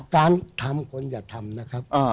การทำคนอย่าทำนะครับ